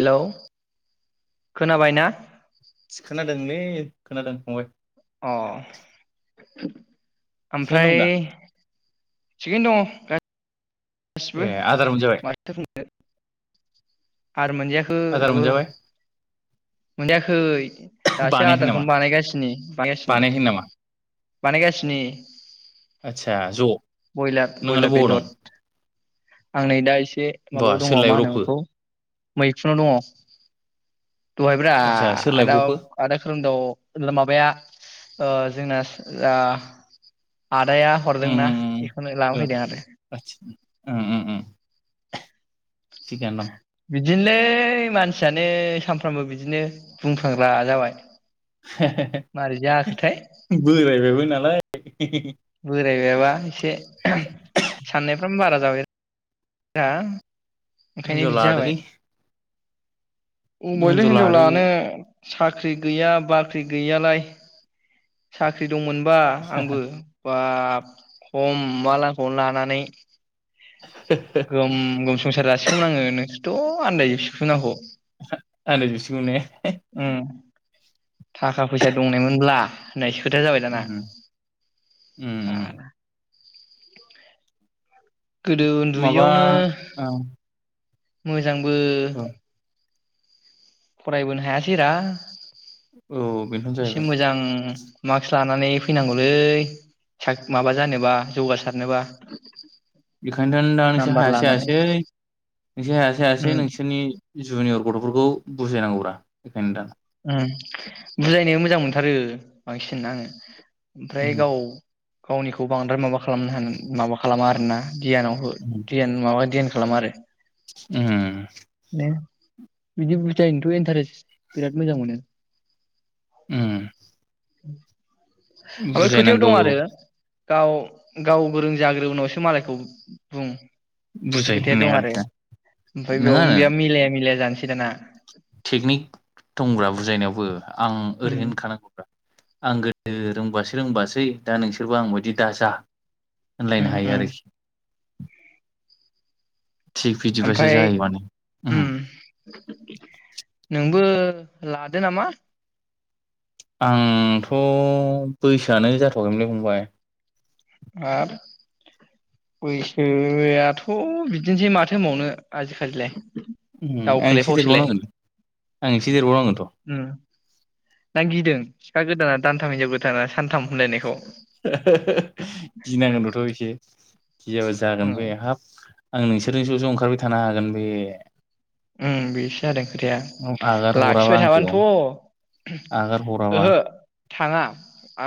Hello खोनाबाय ना? खोनादोंलै खोनादों फंबाय। अ थिगानो ओमफ्राय दं दा थिगैनो दङ। गासिबो ए आदार मोनजाबाय माथो बुंनो। आदार मोनजायाखै आदार दाबो। मोनजाबाय मोनजायाखै। दासो बानायाखै नामा आदारखौनो बानायगासिनो बानायगासिनो। बानायाखै नामा बानायगासिनो। आतसा ज' बयलार बयलार नोङालाय बबाव बेदर दं? आं नै दा एस एसे बा माबायाव दङ सोर मा होनो लायब्रबखो बेखौ मैखुनाव दङ। दहायब्रा आदसा सोर आदा लायब्रबखो आदा खोरोमदाव माबाया ओ जोंना ओ आदाया उम हरदोंना उम बेखौनो लाना उम फैदों आरो आदसा उम उम उम [unintelligible] बिदिनोलै मानसियानो सामफ्रामबो बिदिनो बुंफांग्रा जाबाय। हे-हे मारै जाखोथाय बोरायबायबो नालाय [inaudible] बोरायबायाबा एसे साननायफ्राम बारा [unintelligible] [unintelligible] ओंखायनो हिनजाव बिदि जाबाय लादोलै [inaudible] हिनजाव हिन्जाव लादो लानो साख्रि गैया बाख्रि गैयालाय साख्रि दंमोनबा आंबो बा खमबालाखौनो लानानै गम गम संसार सुखुंनाङो नोंसोरथ आनन्दाय आरो [inaudible] उम थाखा फैसा दंनायमोनब्ला होननायसो खोथाया जाबाय दाना उम [inaudible] उम गोदो माबा औ उन्दुयैयावनो [unintelligible] जां बो औ फरायबोनो हायासै रा औ बेनोथ' एसे जाहैबाय मोजां मास्क लानानै फैनांगौलै स माबा जानोबा जौगासारनोबा बेखायनोथ दा नोंसोर नाम्बार हायासै लानानै हायासै नोंसोर हायासै हायासै उम नोंसोरनि जुनियर गथ फोरखौ बुजायनांगौब्रा बेखायनो दा ओम बुजायनो मोजां मोनथारो बांसिन आङो ओमफ्राय उम गाव गावनिखौ बांद्राय माबा खालामनो ह माबा खालामा आरोना [unintelligible] खालाम मारो ओम ओम बिदि बुजायनोथ इन्टारेस्ट बिराद मोजां मोनो ओम [inaudible] ओमफ्राय खोथायाव दं आरो गाव गाव गोरों जाग्रो उनावसो मालायखौ बुं। बे बुजाय खोथाया होननाय दं आरो आरोखिना? ओमफ्राय बेयाव बे [unintelligible] मिलाया मिलाय जानोसै। बिदाना [unintelligible] टेकनिक दंब्रा बुजायनायावबो। आं उम ओरै होन खानांगौब्रा आं गोदो रोंबोयासै रोंबोयासै दा नोंसोरबो आं बायदि दाजा। होनलायनो उम हायो उम आरोखि। थिग बिदिबासो ओमफ्राय जायो माने उम उम नों बो लादो नामा आंथ' बैसोआनो जाथखैमोनलै फंबाय। आरो बैसोआथ' बिदिनोसै माथो होनबावनो आजिखालिलाय। उम आं एसे दावखोलाय फावसोलाय सदेरबावनांगोनलै आं सिदेरबावनांगोनथ'। ना गिदों सिखा गोदाना दानथाम हिनजाव गोदाना सानथाम होनलायनायखौ? [unintelligible] गिनांगोनबोथ' एसे। गियाबा उम जागोन बे हाब। आं नोंसोरजों ज ज ओंखारबाय थानो हागोन बे। उम बेसो जादों आगार खोथाया हराबा लाखिबाय आंखौ थाबानोथ' आगार हराबा ओहो थाङा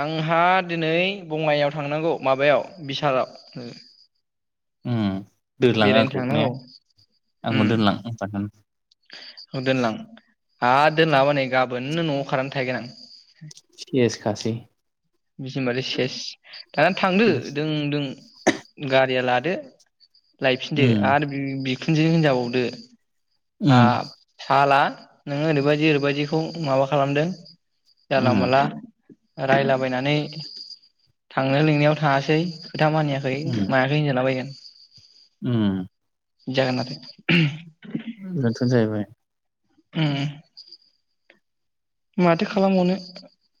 आंहा दिनै बङाइयाव थांनांगौ माबायाव बिसालाव नों। उम। दोलां आंखौ ने थांनांगौ आंखौ दोनलां होनखागोन। ओ दोनलां। हा दोनलाङाबा नै गाबोननो न'आव खारनानै थाहैगोन आं। सेस खासै। बिसि होनबाथाय सेस। दाना थांदो सेस दों दों गारिया लादो। [unintelligible] लायफिनदो उम आरो [unintelligible] बिखुनजोजों [unintelligible] होनजाबावदो। उम हाब साला नोङो ओरैबायदि ओरैबायदिखौ माबा खालामदों जानला उम माला रायला बायनानै थांनो लिंनायाव थाङासै खोथा मानियाखै उम मायाखै होनजाला बायगोन। उम जागोन आरो नाथ जाहैबाय ओम माथो खालामबावनो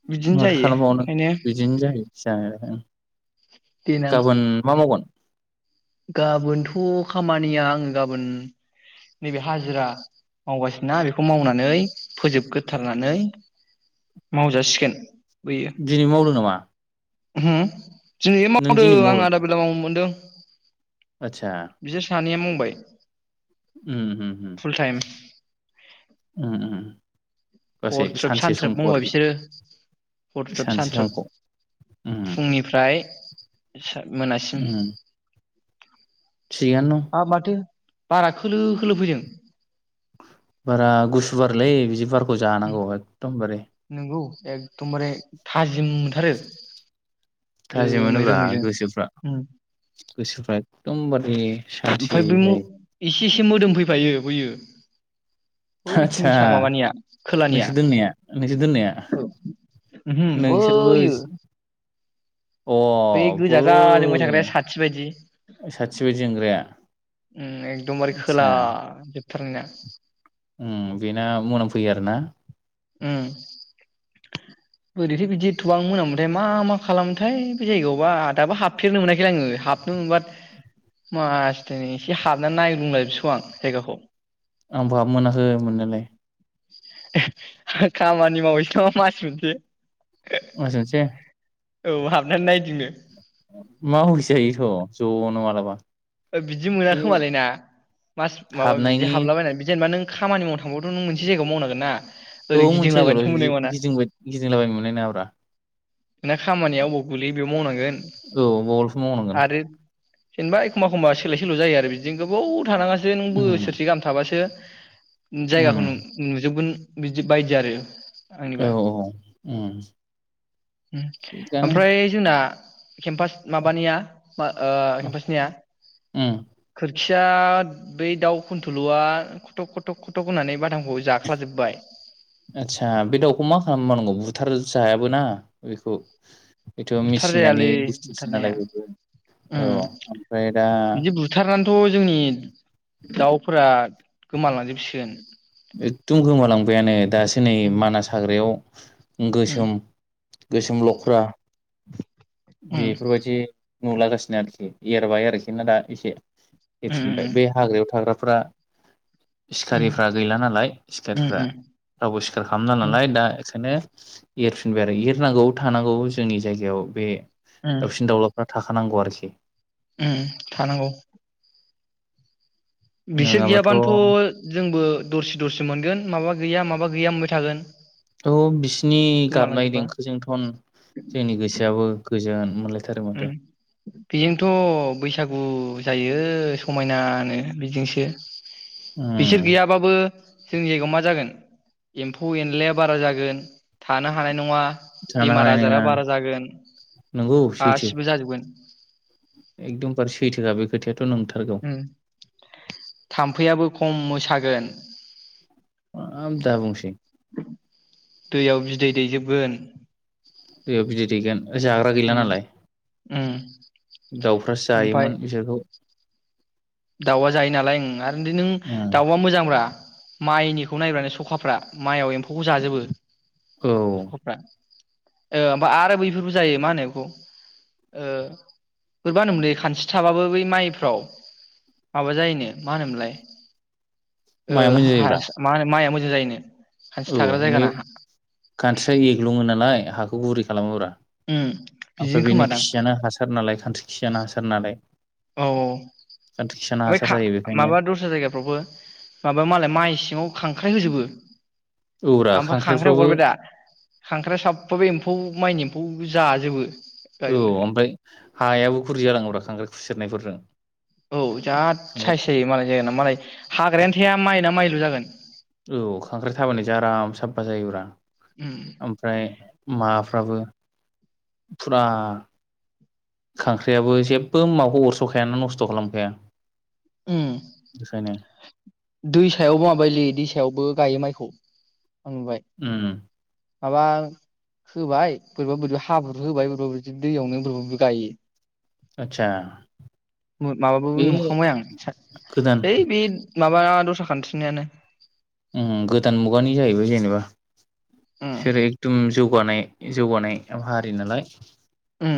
बिदिनो माथो जायो खालामबावनो ओंखायनो बिदिनो जायो जा देनां गाबोन मा मावगोन? गाबोनथ' खामानिया आङो गाबोन नैबे हाजिरा मावगासिनो ना बेखौ मावनानै फोजोबग्रोथारनानै मावजासिगोन दिनै मावदों नामा? होम दिनैबो नों मावदों दिनै आं आदा बेला मावनो मोनदों। आदसा बिसोर सानैया माव बाय उम उम उम उम उम गासै हरथ्रोब सानसे सानथ्रोब समखौ मावबाय आरोखि बिसोरो हरथ्रोब सानसे समखौ सानथ्रोब उम फुंनिफ्राय मोनासिम उम थिगानो दं हा माथो बारा खोलो खोलो फैदों बारा गुसु बारलै बिदि बार खौजानांगौ एखदमबारे एखदमबारे थाजिम मोनथारो थाजिम रोमै मोनोब्रा रोमैनो गोसोफ्रा गोसोफ्रा एखदमबारे सानथि जायो से एसे मोदोम फैफायो बैयो बैथिंनि आचसा सा माबानिया खोलानिया नोंसोर दोननाया नोंसोर दोननाया ओहो नोंसोरबो एसे बै गोजा जा जोंबाय थाग्राया साथि बायदि साथि बायदि जोंग्राया उम एकदमबारे खोला आदसा थारनिया उम बेना मोनामफैयो आरो ना उम बोरैथो बिदि एथबां मोनामोथाय मा मा खालामोथाय बे जायगायावबा दाबो हाबफेरनो मोनाखै आङो हाब [unintelligible] मासदायनि एसे हाबनानै नाग्लुंला जोबसिगौ आं जायगाखौ आंबो हाबनो मोनाखै मोननायलाइ खामानि मावैसै थ' मास मोनसे मास मोनसे औ हाबनानै नायदिंनो मावहैजायोथ' जनो मालाबा। बिदि मोना बे खोमालै ना मास माबा बिदि हाबनायनि हाबलाबायनानै जेनेबा नों खामानि मावनो थांबाथ नों मोनसे जायगायाव मावनांगोन ना औ ओरै मोनसे जायगायावल गिदिंलाबायनोथ' मोननाय बिदि नङाना गिदिंबाय गिदिंलाबायनो मोनना नङाब्रा। ना खामानिया अबाव गोलैयो बेयाव मावनांगोन। औ बावलसो मावनांगोन। जेनबा एखमबा एखमबा सोलाय सोल जायो आरो बिदिनो गोबाव थानाङा सो नों उम बोसोरसे गाहाम थाबासो उम जायगाखौ नुजोबगोन बिदि बायदि आरो औ आंनिबा औ उम। थिगानो ओमफ्राय जोंना [unintelligible] केम्पास माबानिया ओ केमपासनिया उम खो खिया बै दाउ खुन्थुलुआ खथक खथक खथक होनानै बादामखौ जाख्लाजोबबाय आच्छा बे दाउखौ मा खालामबावनांगौ बुथार जायाबोना बेखौ? बेथ बुथार मिसिंगानि जायालै बुस्थुसो नालाय बुथारनाया बेयबो उम औ ओमफ्राय दा थ' जोंनि दाउफोरा गोमालांजोबसिगोन एखदम गोमालांबायानो दासो नै उम मानास हाग्रायाव गोसोम गोसोम लख्रा उम बेफोरबायदि नुलागासिनो आरोखि एरबाय आरोखि ना दा एसे उम हैफिनबाय उम बे हाग्रायाव थाग्रा फ्रा उम सिखारिफ्रा नालाय उम सिखारिफ्रा उम रावबो सिखार खालामला उम नालाय दा खानो एरफिनबाय आरो एरनांगौ थानांगौ जोंनि जायगायाव बे उम दाउसिन दाउलाफ्रा थाखानांगौ आरोखि उम थानांगौ। बिसोर नङाबाथ' गैयाबानोथ जोंबो दरसि दरसि मोनगोन माबा गैया माबा गैया मोनबाय थागोन। औ बिसिनि गाबनाय गोमालांजोबबा देंखोजोंथन जोंनि गोसोआबो गोजोन [unintelligible] उम बेजोंनोथ बैसागु जायो। समायनानो बिजोंसो। बिसोर उम गैयाबाबो जोंनि जायगायाव मा जागोन एम्फौ एनलाया बारा जागोन थानो हानाय नङा। थानो बेमार हानाय आजारा नङा बारा जागोन नोंगौ। गासिबो जाजोबगोन। [inaudible] एकदम बारे सैथोखा बे खोथाया। उम थाम्फैयाबो खम मो सागोन। [unintelligible] दा बुंसै दैयाव बिदै दैजोबगोन। दैयाव बिदै दैगोन जाग्रा गैला उम नालाय, उम दाउफ्रासो ओमफाय जायोमोन बिसोरखौ दाउआ जायो नालाय ओं आरो इदि नों उम दाउआ मोजांब्रा। माइनिखौ नायबानो सखाफ्रा माइआव एम्फौखौ जाजोबो। औ सखाफ्रा। ओ बा आरो बैफोरबो जायो मा होनो बेखौ ओ बोरैबा होनोमोनलै खानस्रि थाबाबो बै माइफ्राव माबा जायोनो मा होनोमोनलाय ओ माया मोजां जायोब्रा हासा मा होनो माया जायोनो। खानस्रि औ थाग्रा बै जायगाना खान्स्रिया एग्लुङो नालाय। हाखौ गुरै खालामोब्रा। उम बिदिनो ओमफ्राय बेनि खोमादां खियानो हासार नालाय खान्स्रि खियानो हासार नालाय। औ औ खानस्रि खियानो ओमफाय हासार खां जायो बेखायनो माबा दस्रा जायगाफ्रावबो माबा मालाय माइ सिङाव खांख्राइ हो जोंबो। औब्रा ओमफाय खांख्राइ खांख्राइफ्राबो हगरबाय दा खांख्राया साबफा बे एम्फौ माइनि एम्फौ जाजोबो। औ गाज्रिखौ ओमफाय हायाबो गुरै जालाङौब्रा खांख्राय खुसेरनायफोरजों औ जाद खांख्राइ साय जायो मालाय जायोना मालाय हाग्रायानो थाया माइना माइ दु जागोन औ खांख्राइ थाबायनायजों आराम साफा जायोब्रा उम ओमफ्राय मा फाबो फुरा खांख्राइयाबो जेबो माबाखौ अरसखायाना नस्थ खालामखाया खायनो दै सायावबो माबायोलै दैसायावबो गायो माइखौ आं नुबाय ओम माबा होबाय बोरैबा बोरैबा हाब्रु होबाय बोरैबा बोरैबा दैयावनो बोरैबा आदसा गायो माबाबाबो बे नुखांबाय आं गोदान ओइ बे माबा दस्रा खान्थ्रिनानो ओम गोदान मुगानि जाहैबाय जेनेबा उम बिसोरो एकदम जौगानाय जौगानाय हारि नालाय ओ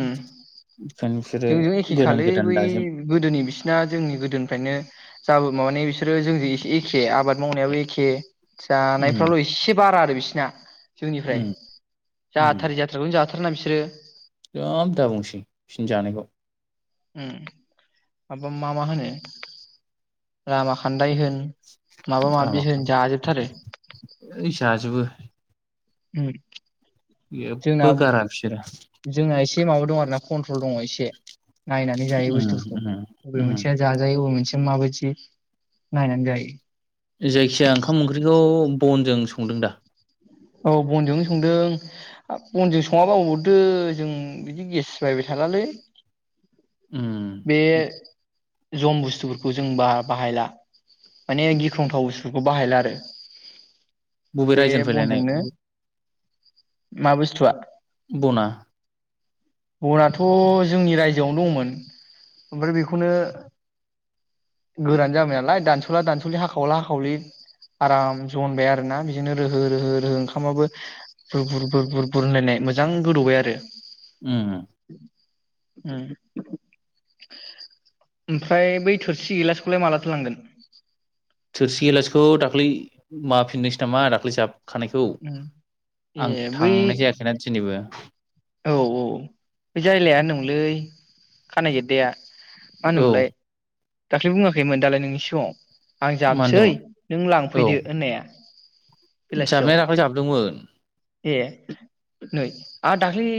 बेखायनो बिसोरो जोंजों एखे गोदान खालै बै गोदान दाजेम गोदोनि बिसिना जोंनि गोदोनिफ्रायनो जाबो माबानि बिस सोरो जोंजों एसे एखे आबाद मावनायाबो एखे उम जानायफ्राल एसे बारा आरो बिसे या जोंनिफ्राय उम जाथारि जाथ्राखौ जाथारना बिसोरो जाब दा बुंसै बिसोरनि जानायखौ उम माबा मा मा होनो लामा खान्दाय होन माबा माबि आराम होन जाजोब थारो ओइ जाजोबो उम एबो गारा बिसोरो जोंहा एसे माबायाव दं आरो ना कन्ट्रल दङ एसे नायनानै जायो उम बुस्थुफोरखौ उम बबे उम मोनसेया जाजायो बबे मोनसे मा बायदि नायनानै गायो जायखिजाया ओंखाम ओंख्रिखौ बनजों संदों दा औ बनजोंनो संदों बनजों सङाबा अरदो जों बिदि गेस बायबाय थालालै उम बे जम बुस्थुफोरखौ जों बा-बाहायला माने गिख्रंथाव बुस्थुफोरखौ बाहायला आरो। बबे रायजोनिफ्राय लाय नोंनो मा बुस्थुआ? बना बनाथ जोंनि रायजोआवनो दंमोन ओमफ्राय बेखौनो गोरान जाबाय नालाय दानसला दानसलि हाखावला हाखावलि आराम जनबाय आरोना बिदिनो रोहो रोहो रोहो ओंखामाबो बुर बुर बुर बुर बुर होनलायनाय मोजां गोदौबाय आरो। उम। उम ओमफ्राय बै थोरसि गिलासखौलाय मालाथो लांगोन? थोरसि गिलासखौ दाख्लै माफिनदोंसो नामा दाख्लै जाब खानायखौ उम ए आं बै थांनाय जायाखैना दिनैबो। औ औ बे जायलाया नोंलै खानाय गेददाया मा औ होनोमोनलाय दाख्लै बुङाखैमोन दालाय नोंनि सिगाङाव आं मा जाबसै होनदोंमोन नों औ लांफैदो होन्नाया। बेलासियाव जाबनाया दाख्लै जाबदोंमोन ए नै आरो दाख्लै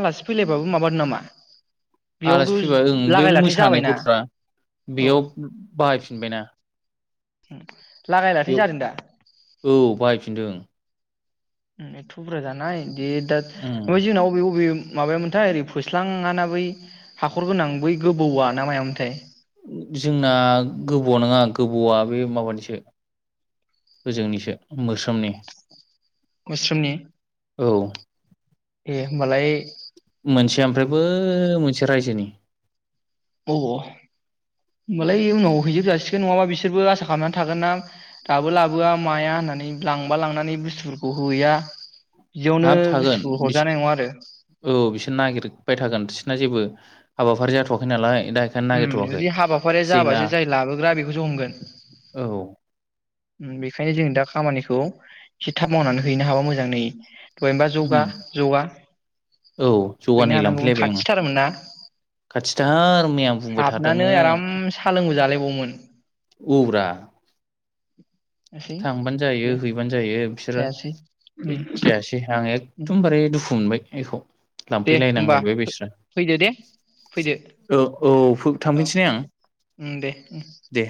आलासि फैलायबाबो माबादों नामा बेयावथ' आलासि फैबा ओं बे लागाय लाथाय मोसानाय जाबायना गथ'फ्रा औ बेयाव बाहायफिनबायना। हुम। लागायलाथै जादों दा? फिन्दों। थुब्रा जानाय दे दा उम ओमफाय जोंना अबे अबे माबायामोनथाय ओरै फोस्लाङाना बै हाखर गोनां बै गोबौया ना मायामोन्थाय? जोंना गोबौ नङा गोबौआ बे माबानिसो ओजोंनिसो। मोस्रोमनि मोस्रोमनि औ। ए होमबालाय मोनसे ओमफ्राय बो मोनसे रायजोनि। अ होमबालाय इयो उनाव हैजोब जाासिगोन नङाबा बिसोरबो आसा खालामनानै थागोन ना दाबो लाबोआ माया होन्नानै लांबा लांनानै बुस्थुफोरखौ हैया बिदियावनो हाब थागोन बुस्थुखौ बिस हरजानाय नङा आरो औ बिसोर नागिरबाय थागोन बिसोरना जेबो हाबाफारि जाथ'वाखै नालाय दा बेखायनो उम नागिरथ'वाखै जुदि हाबाफारिया जेला जाबासो जाय लाबोग्रा बेखौसो हमगोन। औ उम बेखायनो जों दा खामानिखौ एसे थाब मावनानै हैनो हाबा मोजां नै। दहायनोबा उम जौगा जगा औ हैनो जगानै हानांगौमोन। लांफैलायबाय आङो खाथिथारमोन ना? खाथिथार मैया बुंबाय हाबनानै थादोंमोन आराम सा लोंबो जालाय गमोन औब्रा। जायासै थांबान जायो गैया हैबानो जायो। जायासै उम [unintelligible] आं उम एखदमबार दुखु खुमोनबाय एखौ दे होमबा लांफैलायनांलायबाय बेस्रा फैदो दे फैदो औ औ औ थांफिनसै ने आं उम दे उम दे।